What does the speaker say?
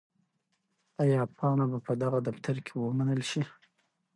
آیا پاڼه به په دغه دفتر کې ومنل شي؟